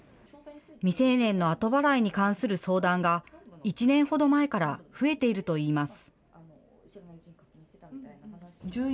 未成年の後払いに関する相談が、１年ほど前から増えているといいます。